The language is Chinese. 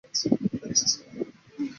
早上十点半开始